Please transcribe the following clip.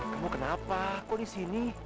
kamu kenapa aku disini